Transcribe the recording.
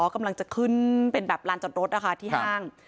กำลังจะขึ้นเป็นแบบลานจอดรถนะคะที่ห้าง